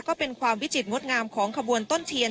ก็เป็นความวิจิตรงดงามของขบวนต้นเทียน